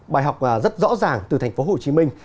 bài học rất rõ ràng từ thành phố hồ chí minh